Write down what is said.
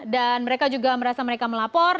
dan mereka juga merasa mereka melapor